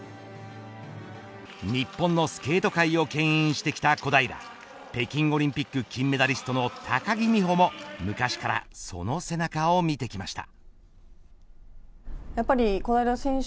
日本のスケート界をけん引してきた小平北京オリンピック金メダリストの高木美帆も昔からその背中を見てきました。